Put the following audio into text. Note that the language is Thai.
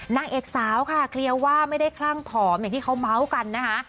นางเอกสาวค่ะเคลียร์ว่าไม่ได้คลั่งผอมอย่างที่เขาเมาส์กันนะคะ